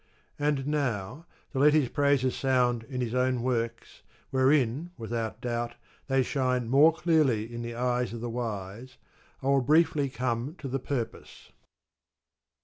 And now, to let his praises sound in his own works, wherein without doubt they shine more clearly in the eyes of the wise, I will briefly come to the purpose.